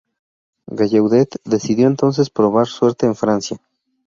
Gallaudet decidió entonces probar suerte en Francia.